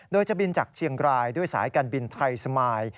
โดยจะบินจากเชียงรายด้วยสายการบินไทยสมาย